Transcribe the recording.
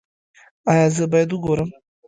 ایا زه باید وګورم؟